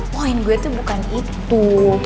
poin gue tuh bukan itu